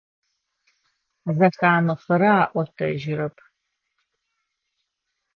Зэхамыхырэ аӏотэжьырэп.